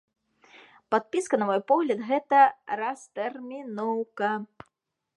Падпіска, на мой погляд, гэта растэрміноўка.